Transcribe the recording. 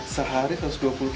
sehari satu ratus dua puluh